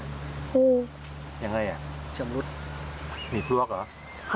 หูอย่างไรอ่ะชมรุดมีพลว๊คหรอครับ